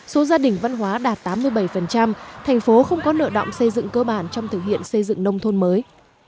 số gia đình văn hóa đạt tám mươi bảy thành phố không có nợ động xây dựng cơ bản trong thực hiện xây dựng nông thôn mới